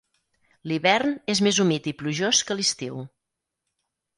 L'hivern és més humit i plujós que l'estiu.